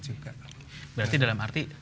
juga berarti dalam arti